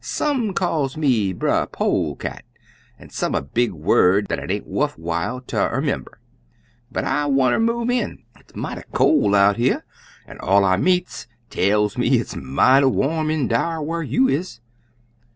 Some calls me Brer Polecat, an' some a big word dat it aint wuff while ter ermember, but I wanter move in. It's mighty col' out here, an' all I meets tells me it's mighty warm in dar whar you is.'